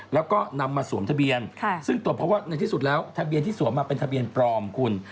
แล้วก็นำมาสวมทะเบียนซึ่งตรวจเพราะว่าในที่สุดแล้วทะเบียนที่สวมมาเป็นทะเบียนปลอมคุณ